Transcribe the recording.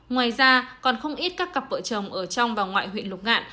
ngoài ra còn không ít các cặp vợ chồng ở trong và ngoài huyện lục ngạn